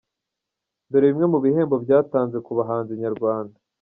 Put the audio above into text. Dore bimwe mu bihembo byatanze kubahanzi Nyarwanda :.